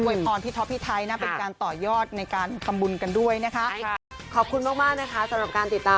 โดยพรพี่ท้อพี่ไทยนะเป็นการต่อยอดในการคำบุญกันด้วยนะคะ